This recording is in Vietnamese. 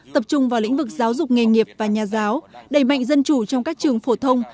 tập trung vào lĩnh vực giáo dục nghề nghiệp và nhà giáo đẩy mạnh dân chủ trong các trường phổ thông